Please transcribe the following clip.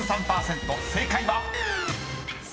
［正解は⁉］